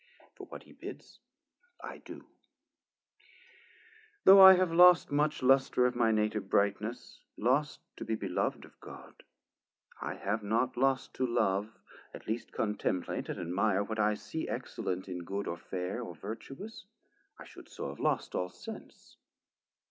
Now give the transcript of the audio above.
For what he bids I do; though I have lost Much lustre of my native brightness, lost To be belov'd of God, I have not lost To love, at least contemplate and admire 380 What I see excellent in good, or fair, Or vertuous, I should so have lost all sense.